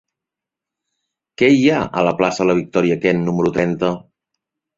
Què hi ha a la plaça de Victòria Kent número trenta?